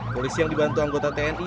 polisi yang dibantu anggota tni